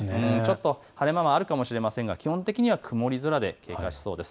晴れ間はあるかもしれませんが基本的には曇り空で経過しそうです。